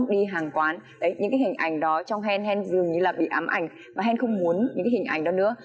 đi hàng quán những cái hình ảnh đó trong hèn hèn dường như là bị ám ảnh và hèn không muốn những cái hình ảnh đó nữa